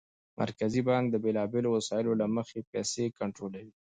مرکزي بانک د بېلابېلو وسایلو له مخې پیسې کنټرولوي.